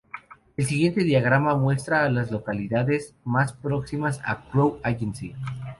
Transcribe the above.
El siguiente diagrama muestra las localidades más próximas a Crow Agency.